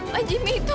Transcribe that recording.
pak jimmy itu